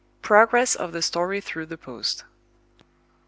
PROGRESS OF THE STORY THROUGH THE POST.